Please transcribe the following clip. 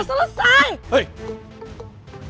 apaan sih ini